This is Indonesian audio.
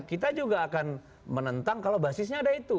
kita juga akan menentang kalau basisnya ada itu